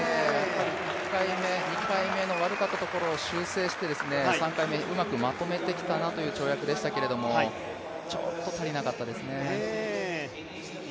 １回目、２回目の悪かったところを修正して３回目、うまくまとめてきたなという跳躍でしたけれどもちょっと足りなかったですね。